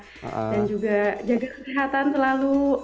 dan juga jaga kesehatan selalu